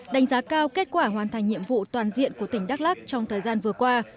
đánh giá cao kết quả hoàn thành nhiệm vụ toàn diện của tỉnh đắk lắc trong thời gian vừa qua